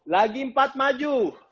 lagi empat maju